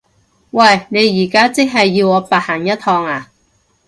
喂！你而家即係要我白行一趟呀？